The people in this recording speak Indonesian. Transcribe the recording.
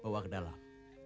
bawa ke dalam